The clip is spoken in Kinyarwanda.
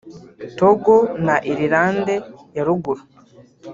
Togo na Ireland ya Ruguru